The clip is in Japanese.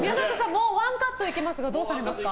もう１カットいけますがどうしますか？